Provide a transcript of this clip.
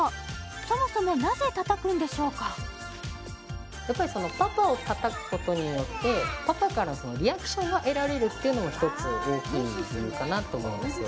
そもそもなぜたたくんでしょうかやっぱりそのパパからリアクションが得られるっていうのも一つ大きい理由かなと思うんですよ